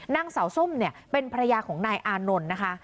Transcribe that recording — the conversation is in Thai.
นางเสาส้มเป็นภรรยาของนายอานนท์นะคะ